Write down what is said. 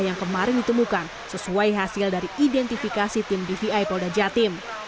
yang kemarin ditemukan sesuai hasil dari identifikasi tim dvi polda jatim